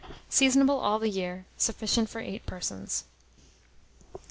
Seasonable all the year. Sufficient for 8 persons.